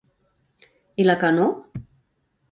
I la que no?